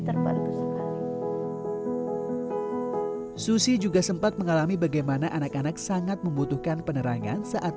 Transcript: terlalu besar susi juga sempat mengalami bagaimana anak anak sangat membutuhkan penerangan saat